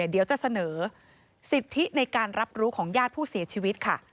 เดี๋ยวจะเสนอสิทธิในการรับรู้ของญาติผู้เสียชีวิตค่ะ